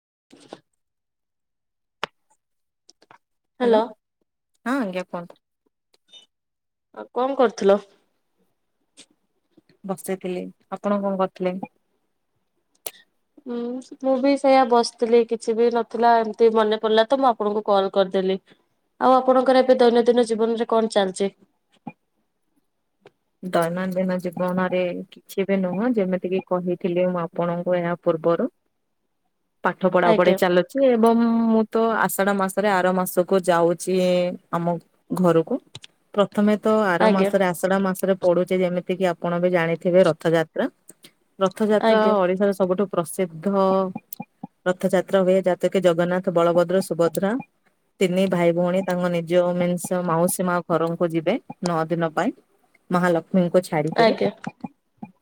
[inaudible] Hello. ହଁ ହାପନ୍ତ ଆଉ କଣ କରୁଥିଲ? ବସିଇଥିଲି ଆପଣ କଣ କରୁଥିଲେ? ଉୁଁ ମୁଁ ବି ସେଇୟା ବସିଥିଲି କିଛି ବି ନଥିଲା ଏମତି ମନେ ପଡିଲା ତ ମୁଁ ଆପଣଙ୍କୁ କଲ କରିଦେଲି। ଆଉ ଆପଣଙ୍କର ଏବେ ଦୈନନ୍ଦିନ ଜୀବନରେ କଣ ଚାଲିଛି? ଦୈନନ୍ଦିନ ଜୀବନରେ କିଛି ବି ନୁହଁ ଯେମିତିକି କହିଥିଲି ମୁଁ ଆପଣଙ୍କୁ ଏହା ପୂର୍ବରୁ ପାଠ ପଢା ପଢି ଆଜ୍ଞା ଚାଲୁଚ ଏବଂ ମୁଁ ତ ଆଷାଢ ମାସରେ ଆର ମାସକୁ ଯାଉଛି ଆମ ଘରକୁ ପ୍ରଥମେ ତ ଆର ଆଜ୍ଞା ମାସରେ ଆଷଢ ମାସ ପଡୁଛି ଯେମିତି କିି ଆପଣ ବି ଜାଣିଥିବେ ରଥଯାତ୍ରା ରଥଯାତ୍ରା ଆଜ୍ଞା ଓଡିଶାର ସବୁଠୁ ପ୍ରସିଦ୍ଧ ରଥଯାତ୍ରା ହୁଏ ଯାାତକ ଜଗନ୍ନାଥ ବଳଭଦ୍ର ସୁଭଦ୍ରା ତିନି ଭାଇ ଭଉଣୀ ତାଙ୍କ ନିଜନ୍ ମାଉସୀ ମା ଘରଙ୍କୁ ଯିବେ ନଅ ଦିନ ପାଇଁ। ମହାଲକ୍ଷ୍ମୀଙ୍କୁ ଛାଡ଼ିିକରେ ଆଜ୍ଞା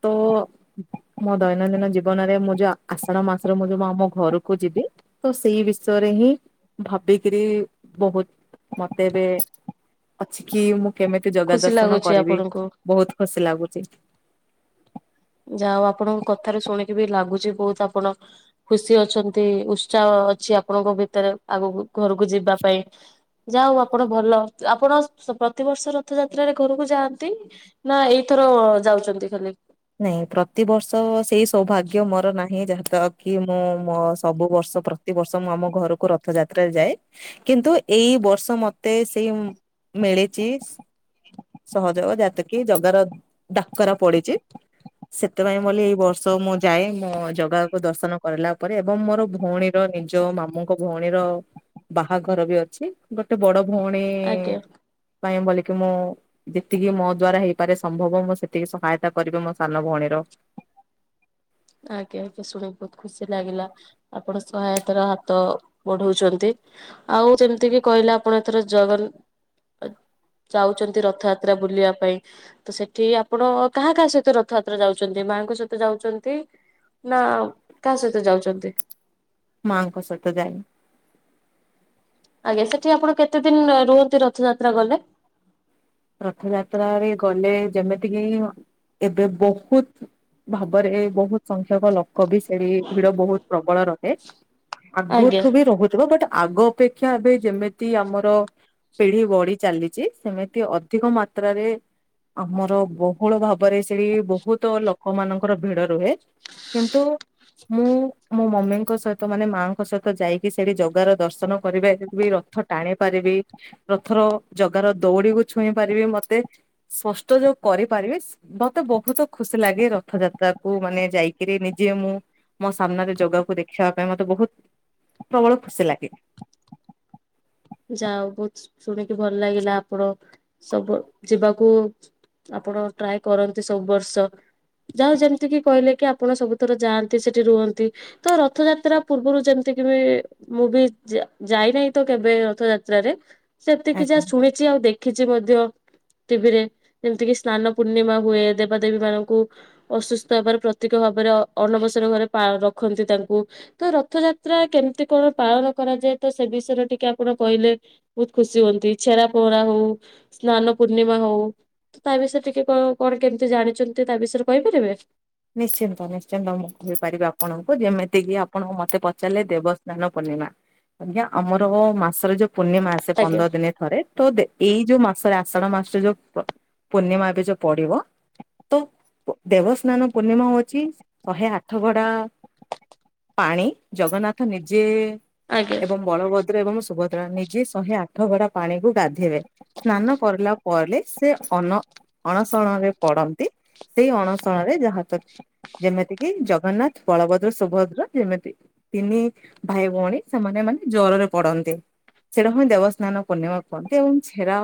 ତ ମୋ ଦୈନନ୍ଦିନ ଜୀବନରେ ମୁଁ ଯୋଉ ଆଷାଢ ମାସରେ ମୁଁ ଯୋଉ ଆମ ଘରକୁ ଯିବି ତ ସେଇ ବିଷୟରେ ଭାବିକରି ବହୁତ ମତେ ଏବେ ଅଛି କି ମୁ କେମିତି ଯୋଗା ଖୁସି ଦର୍ଶନ ଲାଗୁଛି କରିବି ଆପଣଙ୍କୁ। ବହୁତ ଖୁସି ଲାଗୁଛି। ଯାହା ଆପଣଙ୍କୁ କଥାରେ ଶୁଣିକି ବି ଲାଗୁଛି ବହୁତ ଆପଣ ଖୁସି ଅଛନ୍ତି ଉତ୍ସାହ ଅଛି ଆପଣଙ୍କ ଭିତରେ ଆଗକୁ ଘରକୁ ଯିବା ପାଇଁ। ଯା ହ ଆପଣ ଭଲ ଆପଣ ପ୍ରତିବର୍ଷ ରଥଯାତ୍ରାରେ ଘରକୁ ଯାଆନ୍ତି ନା ଏଇଥ ଯାଉଛନ୍ତି ଖାଲି ନାଇଁ ପ୍ରତିବର୍ଷ ସେଇ ସୌଭାଗ୍ୟ ମୋର ନାହିଁ ଯାହାଦାରା କି ମୁଁ ମୋ ସବୁ ବର୍ଷ ପ୍ରତିବର୍ଷ ମୁଁ ଆମ ଘରକୁ ରଥଯାତ୍ରାରେ ଯାଏ କିନ୍ତୁ ଏଇ ବର୍ଷ ମତେ ସେଇ ମିଳିଛି ସହଯୋଗ ଯାତ କି ଜଗାର ଡାକରା ପଡିଛି। ହ ସେଥିପାଇଁ ବୋଲି ଏଇ ବର୍ଷ ମୁଁ ଯାଏ ମୋ ଜଗାକୁ ଦର୍ଶନ କରିଲା ପରେ ଏବଂ ମୋର ଭଉଣୀର ଯୋଉ ମାମୁଙ୍କ ଭଉଣୀର ବାହାଘର ବି ଅଛି ଗୋଟେ ବଡ ଭୋଣେ ଆଜ୍ଞା। ପାଇଁ ବୋଲିକି ମୁଁ ଯେତିକି ମୋ ଦ୍ଵାରା ହେଇପାରେ ସମ୍ଭବ ମୁଁ ସେତିକି ସହାୟତା କରିବେ ମୋ ସାନ ଭଉଣୀର। ଆଜ୍ଞା ଆଜ୍ଞା ଶୁଣିିକି ବହୁତ ଖୁସି ଲାଗିଲା ଆପଣ ସହାୟତାର ହାତ ବଢଉଛନ୍ତି। ଆଉ ଯେମିତି କିି କହିଲେ ଆପଣ ଏଥର ଜଗନ ଯାଉଛନ୍ତି ରଥଯାତ୍ରା ବୁଲିବା ପାଇଁ ତ ସେଠି ଆପଣ କାହା କାହା ସହିତ ରଥଯାତ୍ରା ଯାଉଛନ୍ତି? ମାଙ୍କ ସହିତ ଯାଉଛନ୍ତି ନା କାହା ସହିତ ଯାଉଛନ୍ତି? ମାଙ୍କ ସହିତ ଯାଇ ଆଜ୍ଞା ସେଠି ଆପଣ କେତେ ଦିନ ରୁହନ୍ତି ରଥଯାତ୍ରା ଗଲେ। ରଥଯାତ୍ରାରେ ଗଲେ ଯେମିତିକି ଏବେ ବହୁତ ଭାବରେ ବହୁତ ସଂଖ୍ୟକ ଲୋକ ବି ସେଠ ଭିଡ ବହୁତ ପ୍ରବଳ ରହେ ଆଜ୍ଞା ଆଗଠୁ ବି ରହୁଥିବ ବଟ ଆଗ ଅପେକ୍ଷା ଏବେ ଯେମିତି ଆମର ପିଢି ବଢି ଚାଲିଛି ସେମିତି ଅଧିକ ମାତ୍ରାରେ ଆମର ବହୁଳ ଭାବରେ ସେଠି ବହୁତ ଲୋକ ମାନଙ୍କର ଭିଡ ରୁହେ। କିନ୍ତୁ ମୁଁ ମୋ ମମି ଙ୍କ ସହିତ ମାନେ ମାଙ୍କ ସହିତ ଯାଇକି ସେଠି ଜଗାର ଦର୍ଶନ କରିପାରିବି। ରଥ ଟାଣି ପାରିବି। ରଥର ଜଗାର ଦୌଡିିବୁ ଛୁଇଁ ପାରିବି ମତେ ସ୍ପଷ୍ଟ ଯୋଉ କରିପାରିବି ମତେ ବହୁତ ଖୁସି ଲାଗେ ରଥଯାତ୍ରା। ତାକୁ ମାନେ ଯାଇକିରି ନିଜେ ମୁଁ ମୋ ସାମ୍ନାରେ ଜଗାକୁ ଦେଖିବା ପାଇଁ ମତେ ବହୁତ ପ୍ରବଳ ଖୁସି ଲାଗେ [inaudible] ଯା ବହୁତ ଶୁଣିକି ଭଲ ଲାଗିଲା ଆପଣ ସବୁ ଯିବାକୁ ଆପଣ ଟ୍ରାଏ କରନ୍ତି ସବୁ ବର୍ଷ ଯାହା ଯେମତି କିି କହିଲେ କି ଆପଣ ସବୁଥର ଯାଆନ୍ତି ସେଠି ରୁହନ୍ତି ତ ରଥଯାତ୍ରା ପୂର୍ବରୁ ଯେମିତି ମୁଁ ବି ଯାଇନାହିଁ ତ କେବେ ରର୍ଥଯାତ୍ରାରେ ସେତିକି ଆଜ୍ଞା। ଯାହା ଶୁଣିଛି ଆଉ ଦେଖିଛି ମଧ୍ୟ। ଟିଭିରେ ଯେମିତିକି ସ୍ନାନ ପୂର୍ଣ୍ଣିମା ହୁଏ ଦେବାଦେବୀମାନଙ୍କୁ ଅସୁସ୍ଥ ହେବାର ପ୍ରତି ଭାବରେ ଅଣବସର ଘରେ ରଖନ୍ତି ତାଙ୍କୁ ତ ରଥଯାତ୍ରା କେମିତି କଣ ପାଳନ। କରାଯାଏ ତ ସେ ବିଷୟରେ ଟିକେ ଆ ଠାକୁର କହିଲେ ବହୁତ ଖୁସି ହୁଅନ୍ତି ଛେରା ପହରା ହଉ ସ୍ନାନ ପୂର୍ଣ୍ଣିମା ହଉ। ତା ବିଷୟରେ ଟିକେ କଣ କେମିତି ଜାଣିଛନ୍ତି ତା ବିଷୟରେ କହିପାରିବେ? ନିଶ୍ଚିନ୍ତ ନିଶ୍ଚିନ୍ତ ମୁଁ କହିପାରିବି ଆପଣଙ୍କୁ ଯେମିତିକି ଆପଣ ମତେ ପଚାରିଲେ ଦେବସ୍ନାନ ପୂର୍ଣ୍ଣିମା ଆଜ୍ଞା ଆମର ମାସର ଯୋଉ ପୂର୍ଣ୍ଣିମା ଆସେ ଆଜ୍ଞା ପନ୍ଦର ଦିନେ ଥରେ, ତ ଏଇ ଯୋଉ ମାସରେ ଆଷାଢ ମାସରେ ଯୋଉ ପୂର୍ଣ୍ଣିମା ଏବେ ଯୋଉ ପଡିବ ତ ଦେବସ୍ନାନ ପୂର୍ଣ୍ଣିମା ହଉଛି ଶହେ ଆଠ ଭଡା ପାଣି ଜଗନ୍ନାଥ ନିଜେ ଆଜ୍ଞା ଏବଂ ବଳଭଦ୍ର ଏବଂ ସୁଭଦ୍ରା ନିଜେ ଶହେ ଆଠ ଗଡା ପାଣିକୁ ଗାଧେଇବେ ସ୍ନାନ କରିଲା ପରେ ସେ ଅନ ଅଣସରରେ ପଡନ୍ତି। ସେଇ ଅଣସଣରେ ଯାହା ତ ଯେମିତି କି ଜଗନ୍ନାଥ, ବଳଭଦ୍ର, ସୁଭଦ୍ରା ଯେମିତି ତିନି ଭାଇ ଭଉଣୀ ସେମାନେ। ମାନେ ଜରରେ ପଡନ୍ତି ସେଟାକୁ ହିଁ ଦେବସ୍ନାନ ପୂର୍ଣ୍ଣିମା କୁହନ୍ତି। ଏବଂ ଛେରା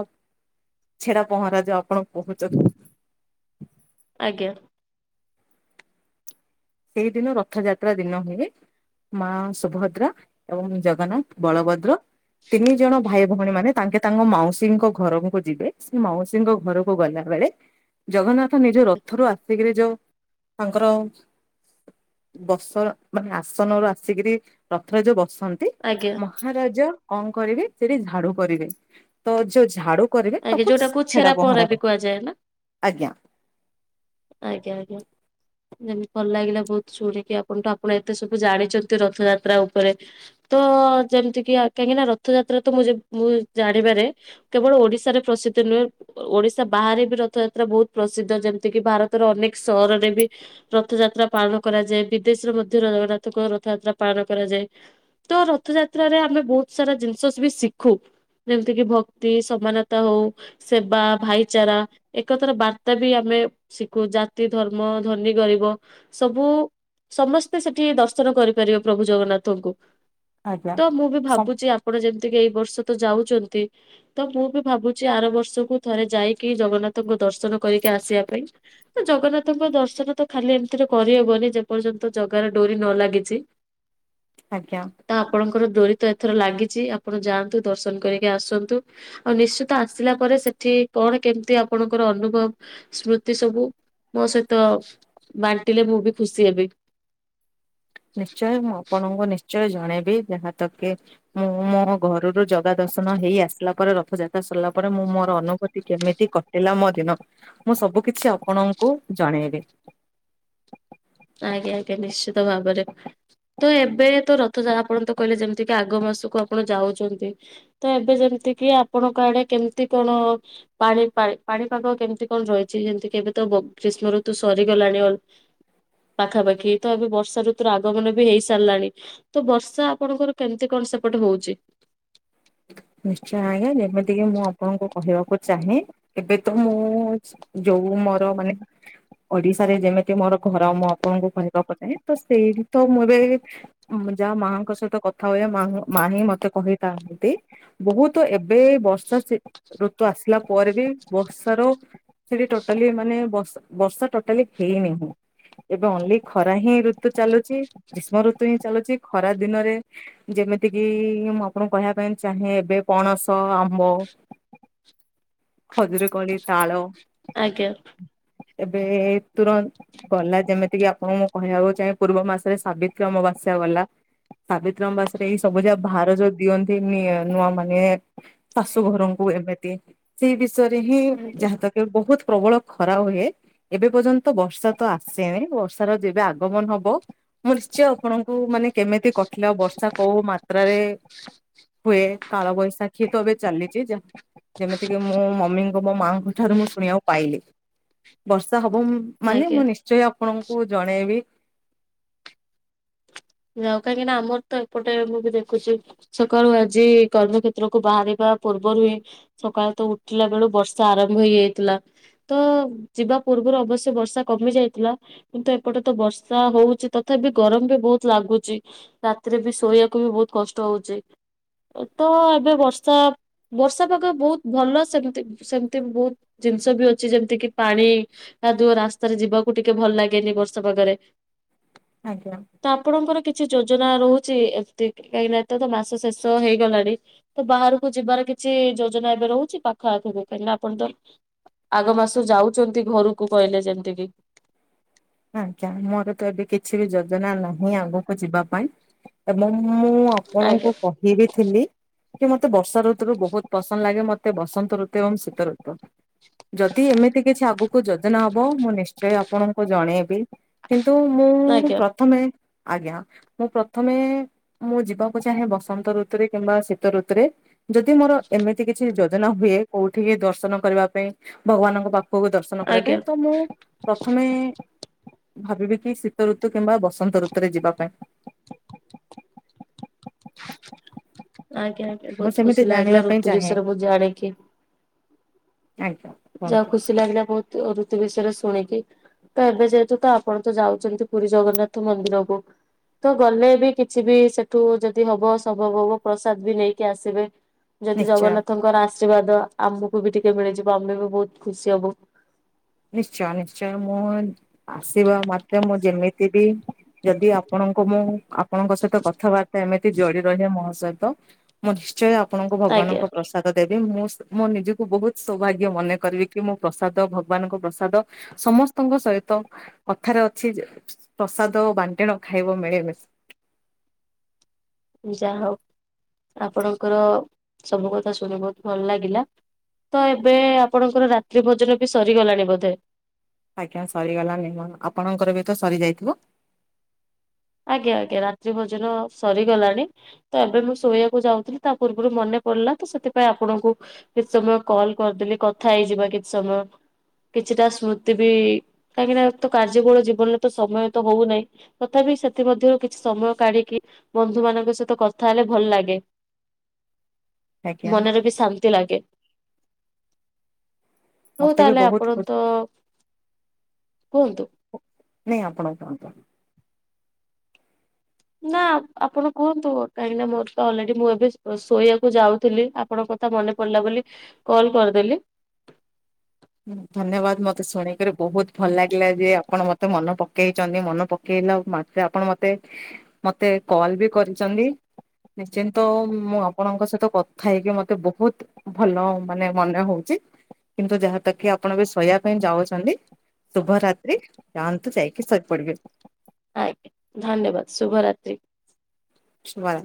ଛେରା ପହଁରା ଯୋଉ ଆପଣ କହୁଛନ୍ତି। ଆଜ୍ଞା। ସେଇଦିନ ରଥଯାତ୍ରା ଦିନ ହୁଏ। ମା ସୁଭଦ୍ରା ଏବଂ ଜଗନ୍ନାଥ ବଳଭଦ୍ର ତିନି ଜଣ ଭାଇ ଭଉଣୀ ମାନେ ତାଙ୍କେ ତାଙ୍କ ମାଉସୀ ଙ୍କ ଘରକୁ ଯିବେ ସେ ମାଉସୀଙ୍କ ଘରକୁ ଗଲା ବେଳେ ଜଗନ୍ନାଥ ନିଜ ରଥରୁୁ ଆସିକିରି ଯୋଉ ତାଙ୍କର ବସ ମାନେ ଆସନରୁୁ ଆସିକିରି ରଥରେ ଯୋଉ ବସ ଅଛନ୍ତି ଆଜ୍ଞା ମହାରାଜା କଣ କରିବେ ସେଠି ଝାଡୁ କରିବେ ତ ଯୋଉ ଝାଡୁ କରିବେ ଆଜ୍ଞା ତାକୁ ଯୋଉଟାକୁ ଛେରା ଛଡା ପହଁରା ବି କର କୁହାଯାଏ ନା? ଆଜ୍ଞା ଆଜ୍ଞା ଆଜ୍ଞା। ଯେମତି ଭଲ ଲାଗିଲା ବହୁତ ଶୁଣିକି ଆପଣଠୁ ଆପଣ ଏତେ ସବୁ ଜାଣିଛନ୍ତି ରଥଯାତ୍ରା ଉପରେ ତ ଯେମିତିକି କାହିଁକି ନା ରଥଯାତ୍ରା ତ ମୁଁ ମୁଁ ଜାଣିବାରେ କେବଳ ଓଡିଶାରେ ପ୍ରସିଦ୍ଧ ନୁହେଁ ଓଡିଶା ବାହାରେ ବି ରଥଯାତ୍ରା ବହୁତ ପ୍ରସିଦ୍ଧ ଯେମିତି କିି ଭାରତ ଅନେକ ସହରରେ ବି ରଥଯାତ୍ରା ପାଳନ କରାଯାଏ ବିଦେଶରେ ମଧ୍ୟ ଜଗନ୍ନାଥଙ୍କ ରଥଯାତ୍ରା ପାଳନ କରାଯାଏ ତ ରଥଯାତ୍ରାରେ ଆମେ ବହୁତ ସାରା ଜିନିଷ ବି ଶିଖୁ ଯେମିତିକି ଭକ୍ତି ସମାନତା ହଉ ସେବା ଭାଇଚାରା ଏକଥାର ବାର୍ତ୍ତା ବି ଆମେ ଶିଖୁ ଜାତି ଧର୍ମ ଧନୀ ଗରିବ ସବୁ ସମସ୍ତେ ସେଠି ଦର୍ଶନ କରିପାରିବେ ପ୍ରଭୁ ଜଗନ୍ନାଥଙ୍କୁ ଆଜ୍ଞା ତ ମୁଁ ବି ସମ୍ ଭାବୁଛି ଆପଣ ଯେମିତି ଏଇ ବର୍ଷ ତ ଯାଉଛନ୍ତି ତ ମୁଁ ବି ଭାବୁଛି ଆର ବର୍ଷକୁ ଥରେ ଯାଇକି ଜଗନ୍ନାଥଙ୍କ ଦର୍ଶନ କରିକି ଆସିବା ପାଇଁ ଜଗନ୍ନାଥଙ୍କ ଦର୍ଶନ ତ ଖାଲି ଏମିତିରେ କରିହବନି ଯେ ପର୍ଯ୍ୟନ୍ତ ଜଗାରେ ଡୋରି ନ ଲାଗିଛି ହ ଆଜ୍ଞା। ର ଦରିତ ଏଥର ଲାଗିଛି ଆପଣ ଯାଆନ୍ତୁ ଦର୍ଶନ କରିକି ଆସନ୍ତୁ ଆଉ ନିଶ୍ଚିତ ଆସିଲା ପରେ ସେଠ କଣ କେମିତି ଆପଣଙ୍କର ଅନୁଭବ ସ୍ମୃତି ଏ ସବୁ ମୋ ସହିତ ବାଣ୍ଟିଲେ ମୁଁ ବି ଖୁସି ହେବି। ନିଶ୍ଚୟ ମୁଁ ଆପଣଙ୍କୁ ନିଶ୍ଚୟ ନି ଜଣେଇବି ଯାହା ତ କି ମୁଁ ମୋ ଘରରୁ ଜଗା ଦର୍ଶନ ହେଇ ଆସିଲା ପରେ ରଥଯାତ୍ରା। ସିଲା ପରେ ମୁଁ ମୋର ଅନୁଭୂତି କେମିତି କଟିଲା ମ ଦିନ ମୁଁ ସବୁ କିଛି ଆପଣଙ୍କୁ ଜଣେଇବି। ଆଜ୍ଞା ଆଜ୍ଞା ନିଶ୍ଚିତ ଭାବରେ ତ ଏବେ ତ ରଥଯ ଆପଣ ତ କହିଲେ ଯେମିତି କିି ଆଗ ମାସକୁ ଆପଣ ଯାଉଛନ୍ତି ତ ଏବେ ଯେମିତି ଯେମତି କିି ଆପଣଙ୍କ ଆଡେ କେମିତି କଣ ପାଣି ପାଣିପାଗ କେମିତି କଣ ରହିଛି ଯେମିତି କେବେ ତ ଗ୍ରୀଷ୍ମ ଋତୁ ସରିଗଲାଣି ଅ ପାଖାପାଖି ତ ଏବେ ବର୍ଷା ଋତୁର ଆଗମନ ବି ହେଇ ସାରିଲାଣି ତ ବର୍ଷା ଆପଣଙ୍କର କେମିତି କଣ ସେପଟ ହଉଛି। ନିଶ୍ଚୟ ଆଜ୍ଞା ଯେମିତିକି ମୁଁ ଆପଣଙ୍କୁ କହିବାକୁ ଚାହେଁ ଏବେ ତ ମୁଁ ଯୋଉ ମୋର ମାନେ ଓଡିଶାରେ ଯେମିତି ମୋର ଘର ମୁଁ ଆପଣଙ୍କୁ କହିବାକୁ ଚାହେଁ ତ ସେଇଠି ତ ମୁଁ ଏବେ ମୁଁ ଯାହା ମାଙ୍କ ସହିତ କଥା ହୁଏ ମା ମା ହିଁ ମତେ କହିଥାନ୍ତି। ବହୁତ ଏବେ ବର୍ଷା ଋତୁ ଆସିଲା। ପରେ ବି ବର୍ଷ ର ସେଠି ଟୋଟାଲି ମାନେ ବର୍ଷା ଟୋଟାଲି ହେଇନାହିଁ। ଏବେ ଓନ୍ଲି ଖରା ହିଁ ଋତୁ ଚାଲୁଛି ଗ୍ରୀଷ୍ମ ଋତୁ ହିଁ ଚାଲୁଛି ଖରା ଦିନରେ ଯେ ଯେମିତି କିି ମୁଁ ଆପଣଙ୍କୁ କହିବା ପାଇଁ ଚାହେଁ ଏବେ ପଣସ, ଆମ୍ବ, ଖଜୁରୀକୋଳି, ତାଳ ଆଜ୍ଞା। ଏବେ ତୁର ଗଲା ଯେମିତିକି ଆପଣଙ୍କୁ ମୁଁ କହିବାକୁ ଚାହେଁ ପୂର୍ବ ମାସରେ ସାବିତ୍ରୀ ଅମବାସ୍ୟା ଗଲା। ସାବିତ୍ରି ଅମାବାସ୍ୟାରେ ଏଇ ସବୁ ଯାହା ଭାର ଯୋଉ ଦିଅନ୍ତି ନୂଆ ମାନେ ଶାଶୁ ଘରଙ୍କୁ ଏମିତି ସେଇ ବିଷୟରେ ହିଁ ଯାହାତ କି ବହୁତ ପ୍ରବଳ ଖରା ହୁଏ। ଏବେ ପର୍ଯ୍ୟନ୍ତ ବର୍ଷା ତ ଆସେନ ବର୍ଷାର ଯେବେ ଆଗମନ ହବ ମୁଁ ନିଶ୍ଚୟ ଆପଣଙ୍କୁ ମାନେ କେମିତି କଟିଲା ବର୍ଷା କୋଉ ମାତ୍ରାରେ ହୁଏ କାଳ ବଇଶାଖିତ ଏବେ ଚାଲିଚି ଯା ଯେମିତିକି ମୁଁ ମମମିଙ୍କୁ ମୋ ମାଆଙ୍କ ଠାରୁ ମୁଁ ଶୁଣିବାକୁ ପାଇଲି ବର୍ଷା ହବ ମୁ ମାନେ ଆଜ୍ଞା ମୁଁ ନିଶ୍ଚୟ ଆପଣଙ୍କୁ ଜଣେଇବି। ଅ କାହିଁକି ନା ଆମର ତ ଏପଟେ ମୁଁ ବି ଦେଖୁଛି ସକାଳୁ ଆଜି କର୍ମକ୍ଷେତ୍ରୁ ବାହାରିବା ପୂର୍ବରୁ ହିଁ ସକାଳ ତ ଉଠିଲା ବେଳୁ ବର୍ଷା ଆରମ୍ଭ ହେଇଯାଇଥିଲା ତ ଯିବା ପୁର୍ବ ପୁର୍ବରୁ ଅବଶ୍ୟ ବର୍ଷା କମି ଯାଇଥିଲା କିନ୍ତୁ ଏପଟେ ତ ବର୍ଷା ହଉଛି ତଥାପି ଗରମ ବି ବହୁତ ଲାଗୁଚି ରାତିରେ ବି ଶୋଇବାକୁ ବି ବହୁତ କଷ୍ଟ ହଉଚି। ତ ଏବେ ବର୍ଷା ବର୍ଷା ପାଗ ବହୁତ ଭଲ ସେମିତି ସେମିତି ବହୁତ ଜିନିଷ ବି ଅଛି ଯେମିତି କିି ପାଣି କାଦୁଅ ରାସ୍ତାରେ ଯିବାକୁ ଟିକେ ଭଲ ଲାଗେନି ବର୍ଷା ପାାଗରେ। ଆଜ୍ଞା। ତ ଆପଣଙ୍କର କିଛି ଯୋଜନା ରହୁଚି ଏମିତି କାହିଁକି ନା ଏଥର ତ ମାସ ଶେଷ ହେଇଗଲାଣି ତ ବାହାରକୁ ଯିବାର କିଛି ଯୋଜନା ଏବେ ରହୁଛି ପାଖ ଆଖ ବି କାହିଁକି ନା ଆପଣ ତ ଆଗ ମାସ ଯାଉଛନ୍ତି ଘରକୁ କହିଲେ ଯେମିତି କି ଆଜ୍ଞା ମୋର ତ ଏବେ କିଛି ବି ଯୋଜନା ନାହିଁ ଆଗକୁ ଯିବା ପାଇଁ ଏବଂ ମୁଁ ଆପଣଙ୍କୁ ଆଜ୍ଞା କହିବି ଥିଲି। କି ମୋତେ ବର୍ଷା ଋତୁୁ ବହୁତ ପସନ୍ଦ ଲାଗେ ମତେ ବସନ୍ତ ଋତୁ ଏବଂ ଶୀତ ଋତୁ। ଯଦି ଏମିତି କିଛି ଆଗକୁ ଯୋଜନା ହବ ମୁଁ ନିଶ୍ଚୟ ଆପଣଙ୍କୁ ଯ ଜଣେଇବି କିନ୍ତୁ ମୁଁ ଆଜ୍ଞା ପ୍ରଥମେ ଆଜ୍ଞା ମୁଁ ପ୍ରଥମେ ମୁଁ ଯିବାକୁ ଚାହେଁ ବସନ୍ତ ଋତୁରେ କିମ୍ବା ଶୀତ ଋତୁରେ। ଯଦି ମୋର ଏମିତି କିଛି ଯୋଜନା ହୁଏ କୋଉଠି ଦର୍ଶନ କରିବା ପାଇଁ ଭଗବାନଙ୍କ ପାଖ ପାଖକୁ ଦର୍ଶନ କରିବା ପାଇଁ ଆଜ୍ଞା ତ ମୁଁ ପ୍ରଥମେ ଭାବିବେ କି ଶୀତ ଋତୁ କିମ୍ବା ବସନ୍ତ ଋତୁରେ ଯିବା ପାଇଁ। [inaudible] ଆଜ୍ଞା ଆଜ୍ଞା ମୁଁ ବହୁତ ସେମିତି ଖୁସି ଜାଣିବା ଲାଗିଲା ପାଇଁ ଋତୁ ଚାହେଁ ବିଷୟରେ ବୋହୁତୁ ଜାଣିକି। ଆଜ୍ଞା ଯାହଉ କୁହନ୍ତୁ ଖୁସି ଲାଗିଲା ବହୁତୁ ଋତୁ ବେଶ ରେ ଶୁଣିକି ତ ଏବେ ଯେହେତୁ ତ ଆପଣ ତ ଯାଉଛନ୍ତି ପୁରୀ ଜଗନ୍ନାଥ ମନ୍ଦିରକୁ ତ ଗଲେ ବି କିଛି ବି ସେଠୁ ଯଦି ହବ ସମ୍ଭବ ହବ ପ୍ରସାଦ ବି ନେଇକି ଆସିବେ। ଯଦି ନିଶ୍ଚୟ। ଜଗନ୍ନାଥଙ୍କର ଆଶୀର୍ବାଦ ଆମକୁ ବି ଟିକେ ମିଳିଯିବ ଆମେ ବି ବହୁତ ଖୁସି ହବୁ। ନିଶ୍ଚୟ ନିଶ୍ଚୟ ମୁଁ ଆସିବା ମାତ୍ରେ ଯେମିତି ବି ଯଦି ଆପଣଙ୍କୁ ମୁଁ ଆପଣଙ୍କ ସହିତ କଥାବାର୍ତ୍ତା ଏମିତି ଜଡି ରହେ ମ ମୁଁ ନିଶ୍ଚୟ ଆପଣଙ୍କୁ ଆଜ୍ଞା ଭଗବାନଙ୍କ ପ୍ରସାଦ ଦେ ମୁଁ ମଁ ନିଜକୁ ବହୁତ ସୌଭାଗ୍ୟ ମନେ କରିବି କି ମୁଁ ପ୍ରସାଦ ଭ ଭଗବାନଙ୍କ ପ୍ରସାଦ ସମସ୍ତଙ୍କ ସହିତ କଥାରେ ଅଛି ପ୍ରସାଦ ବାଣ୍ଟଣ ଖାଇବ ମିଳେମିଶି [inaudible] ଯା ହଉ ଆପଣଙ୍କର ସବୁ କଥା ଶୁଣି ବହୁତ ଭଲ ଲାଗିଲା। ତ ଏବେ ଆପଣଙ୍କର ରାତ୍ରି ଭୋଜନ ବି ସରିଗଲାଣି ବୋଧେ। ଆଜ୍ଞା ସରିଗଲା ଆପଣଙ୍କର ବି ତ ସରି ଯାଇଥିବ। ଆଜ୍ା ଆଜ୍ଞା ରାତି ଭୋଜନ ସରିଗଲାଣି ତ ଏବେ ମୁଁ ଶୋଇବାକୁ ଯାଉଥିଲି ତା ପୂର୍ବରୁ ମନେ ପଡିଲା ସେଥିପାଇଁ ଆପଣଙ୍କୁ କିଛି ସମୟ କଲ କରିଦେଲି କଥା ହେଇଯିବା କିଛି ସମୟ। କିଛିଟା ସ୍ମୃତି ବି କାହିଁକି ନା ତ କାର୍ଯ୍ୟ କଳ ଜୀବନରେ ତ ସମୟ ତ ହଉନାହିଁ ତଥାପି ସେ ମଧ୍ୟରୁ କିଛି ସମୟ କାଢିକି ବନ୍ଧୁ ମାନଙ୍କ ସହିତ କଥା ହେଲେ ଭଲ ଲାଗେ। ଆଜ୍ଞା ମନରେ ବି ଶାନ୍ତି ଲାଗେ। ହଉ ମତେ ବି ତାହେଲେ ବହୁତ ଆପଣ ଖୁସି ତ କୁହନ୍ତୁ। ନଁ ଆପଣ କାମ କରୁ ନା ଆପଣ କୁହନ୍ତୁ କାହିଁକି ନା ମୋର ତ ଅଲରେଡି ମୁଁ ଏବେ ଶୋଇବାକୁ ଯାଉଥିଲି ଆପଣ କ ମନେ ପିଲା ବୋଲି କଲ କରିଦେ ହଁ ଧନ୍ୟବାଦ ମତେ ଶୁଣିକରି ବହୁତ ଭଲ ଲାଗିଲା ଯେ ଆପଣ ମତେ ମନ ପକେଇଛନ୍ତି ମନେ ପକେଇ ମେ ଆପଣ ମତେ ମତେ କଲ ବି କରିଛନ୍ତି। ନିଶ୍ଚିନ୍ତ ମୁଁ ଆପଣଙ୍କ ସହିତ କଥା ହେଇକି ମତେ ବହୁତ ଭଲ ମାନେ ମନେ ହଉଛି। କିନ୍ତୁ ଯାହା ତ କିି ଆପଣ ଏ ଶୋଇବା ପାଇଁ ଯାଉଛନ୍ତି। ଶୁଭ ରାତ୍ରି ଯାଆନ୍ତୁ ଯାଇକି ଶୋଇପଡିବ। ଆଜ୍ଞା ଧନ୍ୟବାଦ ଶୁଭ ରାାତି। ଶୁଭ ରା